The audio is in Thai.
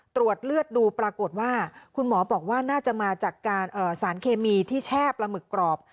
ตรวจเลือดดูปรากฏว่าคุณหมอบอกว่าน่าจะมาจากการสารเคมีที่แช่ปลาหมึกกรอบ